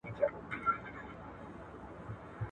موږ باید له ټیکنالوژۍ څخه مثبتې ګټې واخلو.